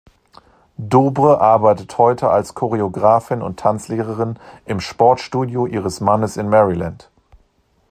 Dobre arbeitet heute als Choreografin und Tanzlehrerin im Sportstudio ihres Mannes in Maryland.